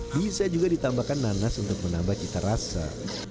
bisa juga ditambahkan nanas untuk menambah cita rasa